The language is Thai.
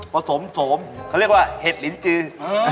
สมเขาเรียกว่าเห็ดลิ้นจือ